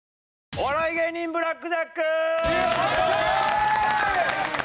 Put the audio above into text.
お笑い芸人ブラックジャック！